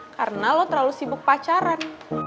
karena lo terlalu sibuk pacaran